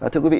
thưa quý vị